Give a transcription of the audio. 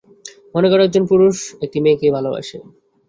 মনে কর, একজন পুরুষ একটি মেয়েকে ভালবাসে।